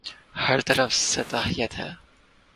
ہر طرف سطحیت ہے۔